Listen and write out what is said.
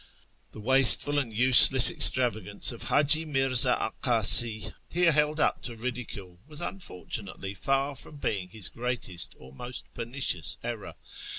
^ The wasteful and useless extravagance of Hi'iji Mi'rza Akasi' here held up to ridicule was unfortunately far from being his greatest or most pernicious error.